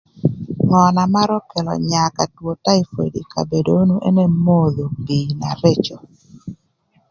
Ngö na marö nyaa ka two taipod ï kabedo onu ënë modho pii na rëcö.